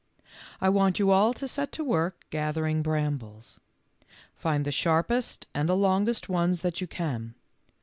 " I want you all to set to work gathering brambles. Find the sharpest and the longest ones that you can.